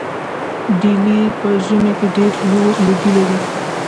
ډیلي په ژمي کې ډیر لوګی لري.